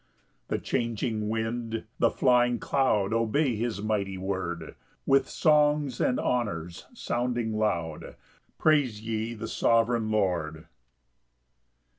8 The changing wind, the flying cloud, Obey his mighty word: With songs and honours sounding loud, Praise ye the sovereign Lord.